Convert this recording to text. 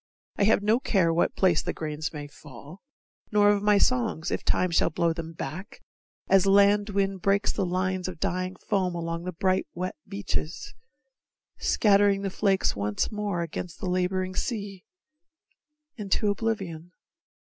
I have no care what place the grains may fall, Nor of my songs, if Time shall blow them back, As land wind breaks the lines of dying foam Along the bright wet beaches, scattering The flakes once more against the laboring sea, Into oblivion.